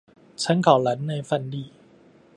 參考欄內範例